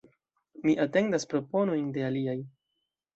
Mi atendas proponojn de aliaj.